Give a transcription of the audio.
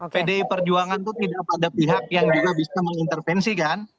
pdi perjuangan itu tidak pada pihak yang juga bisa mengintervensi kan